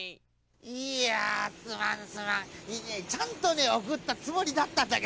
いやすまんすまんちゃんとねおくったつもりだったんだけどね。